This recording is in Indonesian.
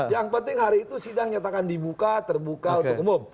yang penting hari itu sidang nyatakan dibuka terbuka untuk umum